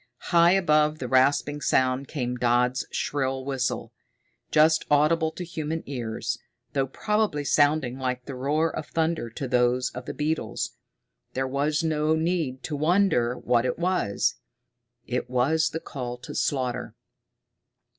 High above the rasping sound came Bram's shrill whistle. Just audible to human ears, though probably sounding like the roar of thunder to those of the beetles, there was no need to wonder what it was. It was the call to slaughter.